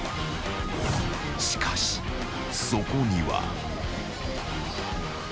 ［しかしそこには］